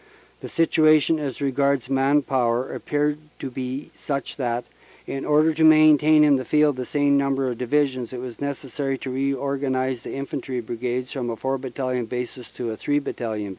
The situation as regards man power appeared to be such that, in order to maintain in the field the same number of Divisions, it was necessary to reorganize the Infantry Brigades from a four battalion basis to a three battalion basis.